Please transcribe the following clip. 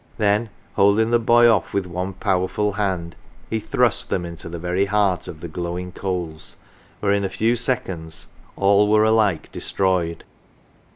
Then holding the boy off with one powerful hand, he thrust them into the very heart of the glowing coals, where in a few seconds all were alike destroyed.